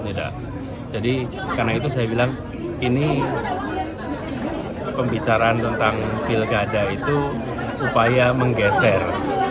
tidak jadi karena itu saya bilang ini pembicaraan tentang pilkada itu upaya menggeser